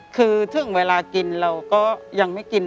คือถึงเวลากินเราก็ยังไม่กิน